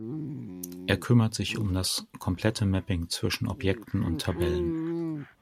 Er kümmert sich um das komplette Mapping zwischen Objekten und Tabellen.